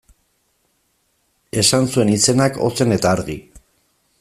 Esan zuen izenak ozen eta argi.